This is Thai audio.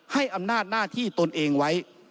ให้อำนาจหน้าที่ตนเองไว้